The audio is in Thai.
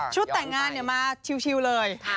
แต่งงานมาชิวเลย